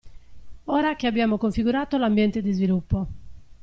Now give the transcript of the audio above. Ora che abbiamo configurato l'ambiente di sviluppo.